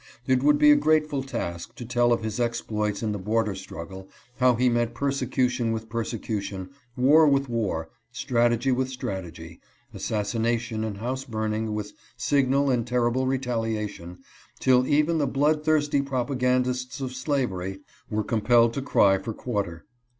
It would be a grateful task to tell of his exploits in the bor der struggle — how he met persecution with persecution, war with war, strategy with strategy, assassination and house burning with signal and terrible retaliation, till even the bloodthirsty propagandists of slavery were com pelled to cry for quarter.